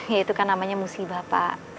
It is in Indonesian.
ya itu kan namanya musibah pak